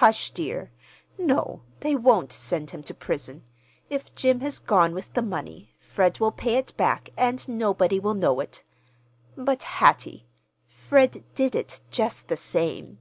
"Hush, dear! No, they won't send him to prison. If Jim has gone with the money, Fred will pay it back and nobody will know it. But, Hattie, Fred did it, just the same."